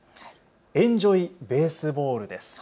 エンジョイ・ベースボールです。